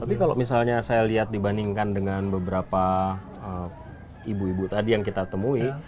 tapi kalau misalnya saya lihat dibandingkan dengan beberapa ibu ibu tadi yang kita temui